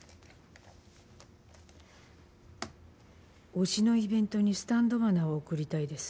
「推しのイベントにスタンド花を贈りたいです」